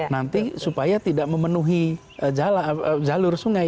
nanti supaya tidak memenuhi jalur sungai